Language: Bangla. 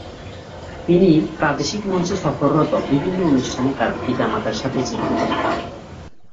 তিনি প্রাদেশিক মঞ্চে সফররত বিভিন্ন অনুষ্ঠানে তার পিতামাতার সাথে যেতেন।